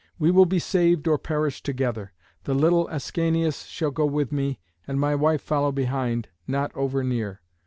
We will be saved or perish together. The little Ascanius shall go with me, and my wife follow behind, not over near.